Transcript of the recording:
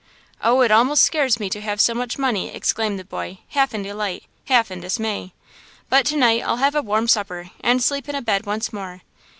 "Oh, it a'most scares me to have so much money!" exclaimed the boy, half in delight, half in dismay; "but tonight I'll have a warm supper and sleep in a bed once more!